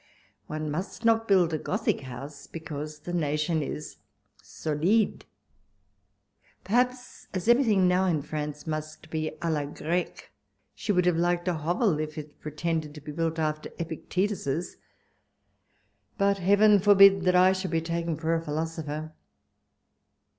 One must not build a Gothic house because the nation is soUde. Perhaps, as everything now in France must be d la Grecque, she would have liked a hovel if it pretended to be built after Epictetus's —but Heaven forbid that I should be taken for a philosopher